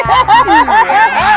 saya mau pergi ke awet tadi